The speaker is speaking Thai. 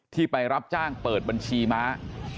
ไปรับจ้างเปิดบัญชีม้า